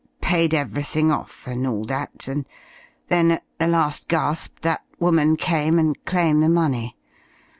Paid everything off, and all that, and then, at the last gasp, that woman came and claimed the money.